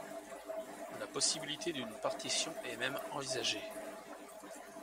La possibilité d'une partition est même envisagée.